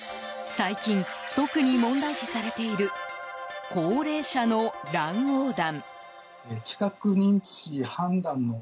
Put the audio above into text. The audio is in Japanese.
最近、特に問題視されている高齢者の乱横断。